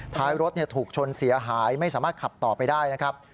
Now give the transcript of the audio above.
ท้ายรถถูกชนเสียหายไม่สามารถขับต่อไปได้นะครับ